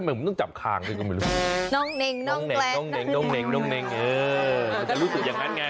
รู้สึกอย่างงั้นไง